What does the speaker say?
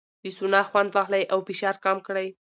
له سونا خوند واخلئ او فشار کم کړئ.